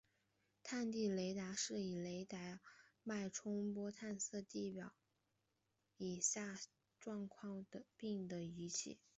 透地雷达是以雷达脉冲波探测地表以下状况并的仪器。